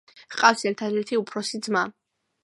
ჰყავს ერთადერთი უფროსი ძმა.